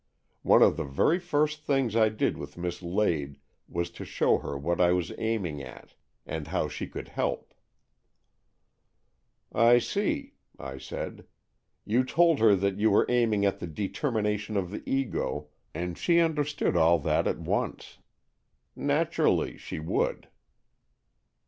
One of the very first things I did with Miss Lade was to show her what I was aiming at, and how she could help." AN EXCHANGE OF SOULS 73 "'I see," I said. "You told her that you were aiming at the determination of the Ego, and she understood all that at once. Natur ally, she would."